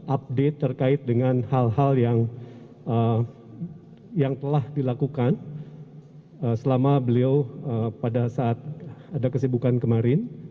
update terkait dengan hal hal yang telah dilakukan selama beliau pada saat ada kesibukan kemarin